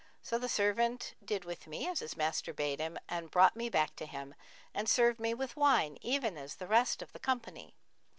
So the servant did with me as his master bade him and brought me back to him, and served me with wine, even as the rest of the company.